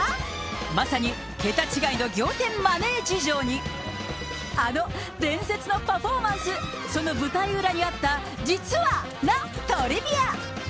まさに桁違いの仰天マネー事情に、あの伝説のパフォーマンス、その舞台裏にあった、実は、なトリビア。